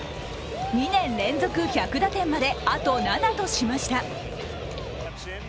２年連続１００打点まであと７としました。